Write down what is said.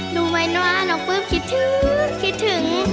รู้ไหมว่าน้องปื้มคิดถึงคิดถึง